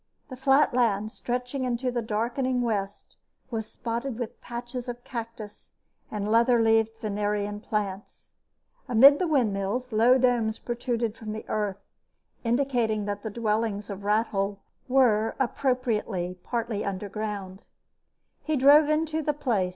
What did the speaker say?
The flat land, stretching into the darkening west, was spotted with patches of cactus and leather leaved Venerian plants. Amid the windmills, low domes protruded from the earth, indicating that the dwellings of Rathole were, appropriately, partly underground. He drove into the place.